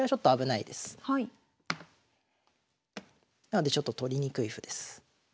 なのでちょっと取りにくい歩です。